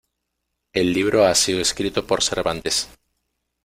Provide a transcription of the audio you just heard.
El libro ha sido escrito por Cervantes.